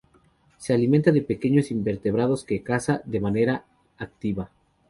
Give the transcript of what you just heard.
Se alimenta de pequeños invertebrados que caza de manera activa.